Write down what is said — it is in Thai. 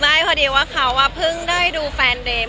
พอดีว่าเขาเพิ่งได้ดูแฟนเดม